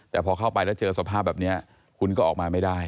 แต่พอเข้าไปแล้วเจอสภาพแบบนี้คุณก็ออกมาไม่ได้